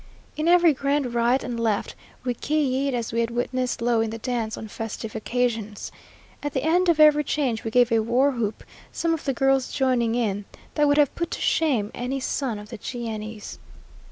In every grand right and left, we ki yied as we had witnessed Lo in the dance on festive occasions. At the end of every change, we gave a war whoop, some of the girls joining in, that would have put to shame any son of the Cheyennes.